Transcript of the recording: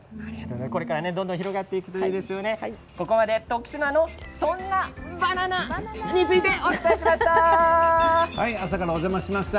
これからどんどん広がっていくといいですね、ここまで徳島のそんなバナナについてお伝えしま朝からお邪魔しました。